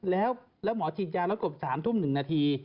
แล้วหมอฉีดยารถุกกฏ๓นาที